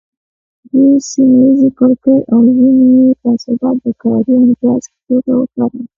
دوی سیمه ییزې کرکې او ژبني تعصبات د کاري ابزار په توګه وکارول.